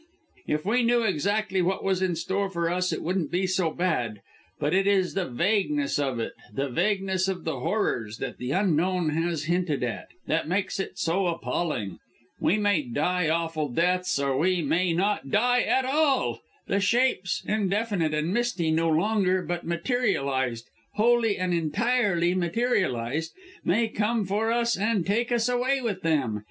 If we knew exactly what was in store for us it wouldn't be so bad, but it is the vagueness of it, the vagueness of the horrors that the Unknown has hinted at, that makes it so appalling! We may die awful deaths or we may not die AT ALL the shapes, indefinite and misty no longer, but materialized wholly and entirely materialized may come for us and take us away with them!